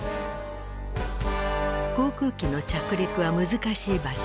航空機の着陸は難しい場所。